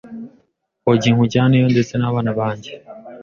hogi nkujyaneyo ndetse n’abana banjye